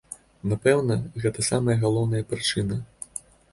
Напэўна, гэта самая галоўная прычына.